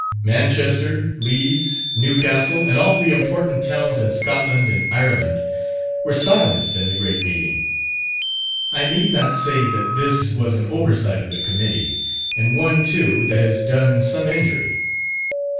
Manchester, Leeds, Newcastle, and all the important towns in Scotland and Ireland, were silenced in the great meeting. I need not say that this was an oversight of the Committee, and one, too, that has done some injury.